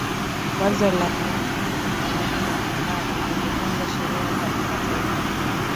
wazo la lemkin la mauaji ya kimbari lilivunjwa sheria za kimataifa